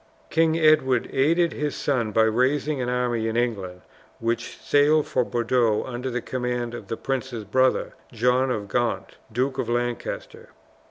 King Edward aided his son by raising an army in England, which sailed for Bordeaux under the command of the prince's brother, John of Gaunt, Duke of Lancaster.